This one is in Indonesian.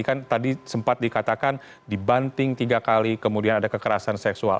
kan tadi sempat dikatakan dibanting tiga kali kemudian ada kekerasan seksual